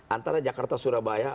antara jakarta surabaya